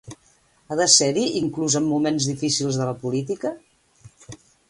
Ha de ser-hi inclús en moments difícils de la política?